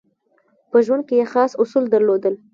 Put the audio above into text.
په ژوند کې یې خاص اصول درلودل.